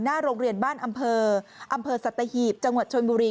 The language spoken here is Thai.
หน้าโรงเรียนบ้านอำเภออำเภอสัตหีบจังหวัดชนบุรี